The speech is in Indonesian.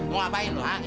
mau ngapain lo hah